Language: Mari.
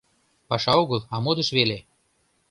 Паша огыл, а модыш веле!»